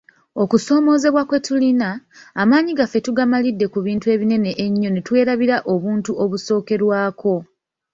Okusoomoozebwa kwe tulina, amaanyi gaffe tugamalidde ku bintu ebinene ennyo ne twerabira obuntu obusookerwako.